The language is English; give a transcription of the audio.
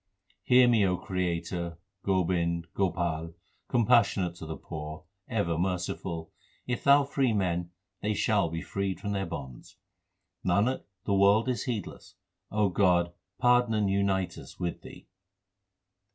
Hear me, O Creator, Gobind, Gopal, Compassionate to the poor, ever merciful, If Thou free men, they shall be freed from their bonds. Nanak, the world is heedless ; O God, pardon and unite us with Thee.